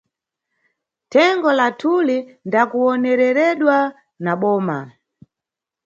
Thengo lathuli nda kuwonereredwa na boma.